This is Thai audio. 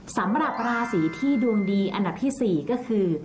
สำหรับราศีที่ดวงดีอันดับที่๔ก็คือ